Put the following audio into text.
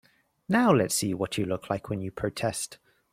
Now let's see what you look like when you protest.